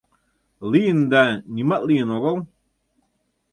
— Лийын да нимат лийын огыл...